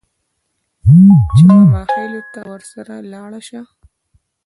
چې ماماخېلو ته ورسره لاړه شي.